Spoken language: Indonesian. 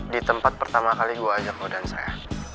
di tempat pertama kali gue ajak lo dan saya